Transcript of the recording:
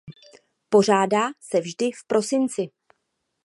Pořádá se vždy v prosinci.